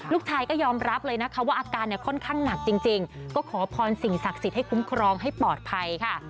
ลูกชายก็ยอมรับเลยนะคะว่าอาการเนี่ยค่อนข้างหนักจริงก็ขอพรสิ่งศักดิ์สิทธิ์ให้คุ้มครองให้ปลอดภัยค่ะ